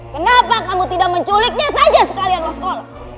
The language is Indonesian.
kenapa kamu tidak menculiknya saja sekalian loskol